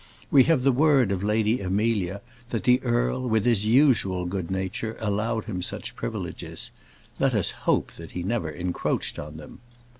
We have the word of Lady Amelia, that the earl, with his usual good nature, allowed him such privileges. Let us hope that he never encroached on them.